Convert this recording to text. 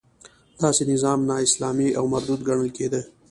داسې نظام نا اسلامي او مردود ګڼل کېده.